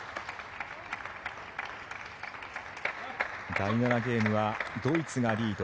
第７ゲームはドイツがリード。